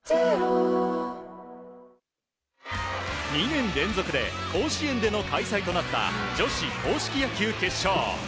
２年連続で甲子園での開催となった女子硬式野球決勝。